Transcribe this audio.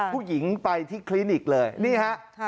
ผู้หญิงไปที่คลินิกเลยนี่ฮะ